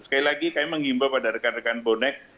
sekali lagi kami mengimbau pada rekan rekan bonek